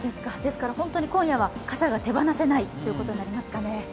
本当に今夜は傘が手放せないということになりますね。